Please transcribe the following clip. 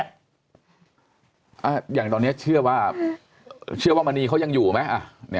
อย่างตอนนี้เชื่อว่าเชื่อว่ามณีเขายังอยู่ไหม